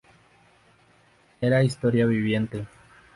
Era historia viviente.